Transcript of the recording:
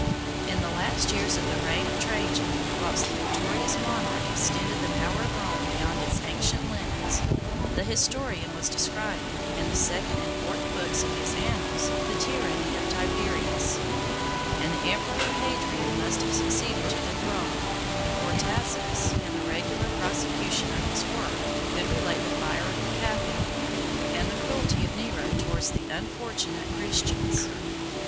In the last years of the reign of Trajan, whilst the victorious monarch extended the power of Rome beyond its ancient limits, the historian was describing, in the second and fourth books of his annals, the tyranny of Tiberius; 39 and the emperor Hadrian must have succeeded to the throne, before Tacitus, in the regular prosecution of his work, could relate the fire of the capital, and the cruelty of Nero towards the unfortunate Christians.